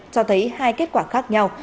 cho thấy hai kết quả khác nhau